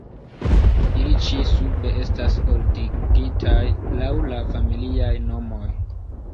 Ili ĉi-sube estas ordigitaj laŭ la familiaj nomoj.